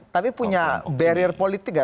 tapi punya barrier politik nggak